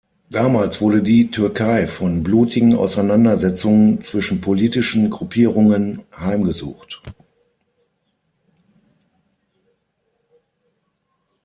Damals wurde die Türkei von blutigen Auseinandersetzungen zwischen politischen Gruppierungen heimgesucht.